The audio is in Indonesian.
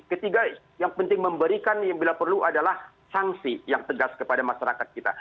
ketiga yang penting memberikan yang bila perlu adalah sanksi yang tegas kepada masyarakat kita